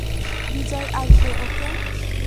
বিজয় আসবে, ওকে?